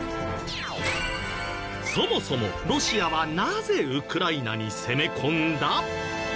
そもそもロシアはなぜウクライナに攻め込んだ？